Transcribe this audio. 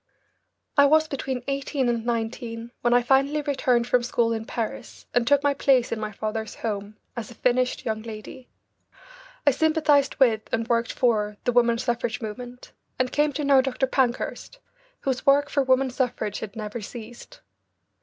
I was between eighteen and nineteen when I finally returned from school in Paris and took my place in my father's home as a finished young lady. I sympathised with and worked for the woman suffrage movement, and came to know Dr. Pankhurst, whose work for woman suffrage had never ceased.